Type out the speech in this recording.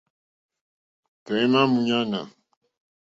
Tɔ̀ímá !múɲánà.